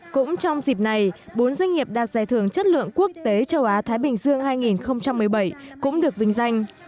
cũng trong dịp này bốn doanh nghiệp đạt giải thưởng chất lượng quốc tế châu á thái bình dương hai nghìn một mươi bảy cũng được vinh danh